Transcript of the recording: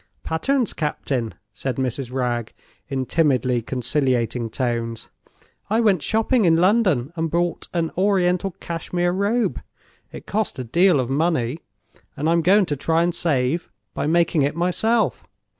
"Patterns, captain," said Mrs. Wragge, in timidly conciliating tones. "I went shopping in London, and bought an Oriental Cashmere Robe. It cost a deal of money; and I'm going to try and save, by making it myself.